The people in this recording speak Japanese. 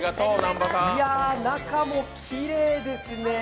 中もきれいですね。